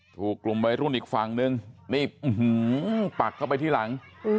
ถูกกลุ่มวัยรุ่นอีกฝั่งนึงนี่ปักเข้าไปที่หลัง